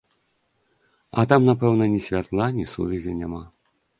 А там, напэўна, ні святла, ні сувязі няма.